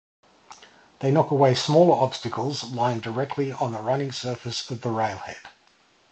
They knock away smaller obstacles lying directly on the running surface of the railhead.